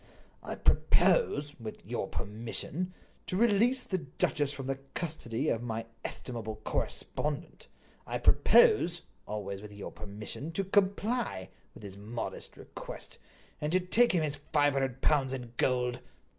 "I propose, with your permission, to release the duchess from the custody of my estimable correspondent. I propose—always with your permission—to comply with his modest request, and to take him his five hundred pounds in gold."